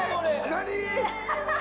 何？